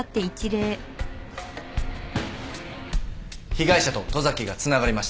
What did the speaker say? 被害者と十崎がつながりました。